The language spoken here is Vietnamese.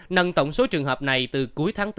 nâng tổng số trường hợp này từ cuối tháng tám